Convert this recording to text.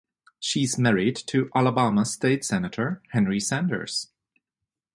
She is married to Alabama State Senator Henry Sanders.